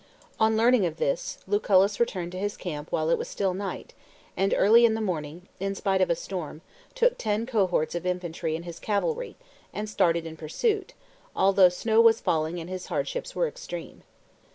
On learning of this, Lucullus returned to his camp while it was still night, and early in the morning, in spite of a storm, took ten cohorts of infantry and his calvary, and started in pursuit, although snow was falling and his hardships were extreme.